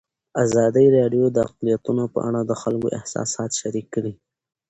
ازادي راډیو د اقلیتونه په اړه د خلکو احساسات شریک کړي.